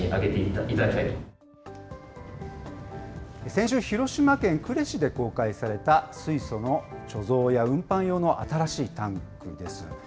先週、広島県呉市で公開された水素の貯蔵や運搬用の新しいタンクです。